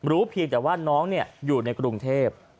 เพียงแต่ว่าน้องอยู่ในกรุงเทพ